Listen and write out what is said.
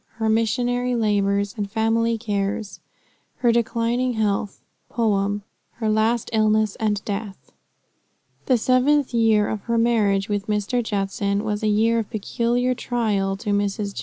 HER MISSIONARY LABORS, AND FAMILY CARES. HER DECLINING HEALTH. POEM. HER LAST ILLNESS AND DEATH. The seventh year of her marriage with Mr. Judson, was a year of peculiar trial to Mrs. J.